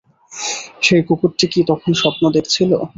সেই কুকুরটি কি তখন স্বপ্ন দেখছিল?